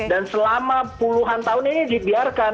dan selama puluhan tahun ini dibiarkan